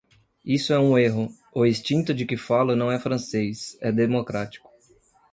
Isso é um erro: o instinto de que falo não é francês, é democrático.